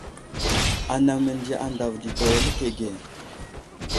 Anaŋ məndiya andav didaw alikege.